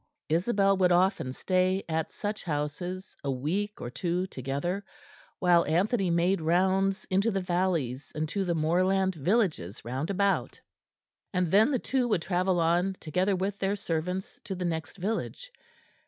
Isabel would often stay at such houses a week or two together, while Anthony made rounds into the valleys and to the moorland villages round about; and then the two would travel on together with their servants to the next village.